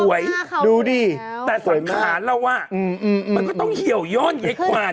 ขวัญสวยดูดิแต่สำคัญแล้วว่ามันก็ต้องเหี่ยวย่อนไอ้ขวัญ